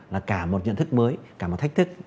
là cả một nhận thức mới cả một thách thức